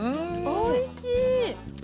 おいしい。